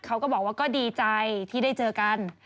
เขาก็บอกว่าก็ดีใจที่ได้เจอกัน